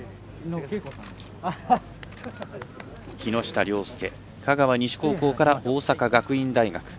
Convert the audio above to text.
木下稜介、香川西高校から大阪学院大学。